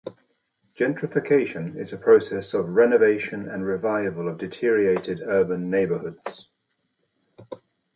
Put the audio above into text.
Gentrification is a process of renovation and revival of deteriorated urban neighborhoods.